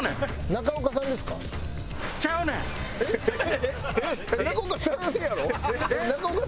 中岡さんやろ？